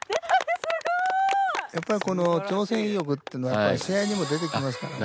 やっぱりこの挑戦意欲ってのは試合にも出てきますからね。